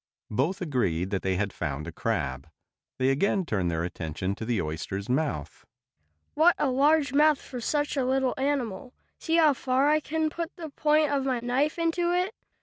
Both agreed that they had found a crab. They again turned their attention to the oyster's mouth. "What a large mouth for such a little animal! See how far I can put the point of my knife into it.